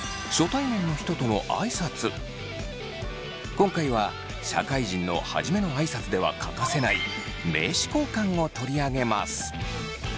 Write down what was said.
今回は社会人の初めの挨拶では欠かせない名刺交換を取り上げます。